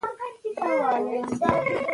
د مور پاکوالی د ماشوم روغتيا ساتي.